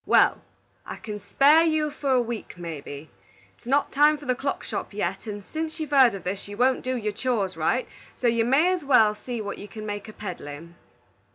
"Wal, I can spare you for a week, mebby. It's not time for the clock shop yet, and sence you've heerd o' this, you won't do your chores right, so you may as wal see what you can make of peddlin'."